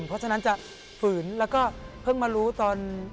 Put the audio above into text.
เพราะฉะนั้นจะฝืนแล้วก็เพิ่งมารู้ตอน